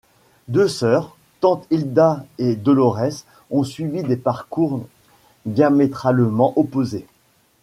Deux sœurs, tante Hilda et Dolorès, ont suivi des parcours diamétralement opposés.